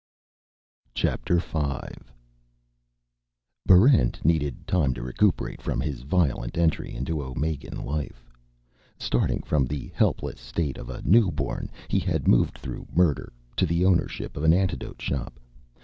Chapter Five Barrent needed time to recuperate from his violent entry into Omegan life. Starting from the helpless state of a newborn, he had moved through murder to the ownership of an antidote shop.